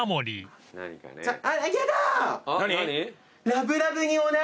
「ラブラブに御成」